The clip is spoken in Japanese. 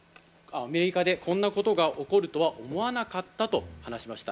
アメリカでこんな事が起こるとは思わなかったと話しました。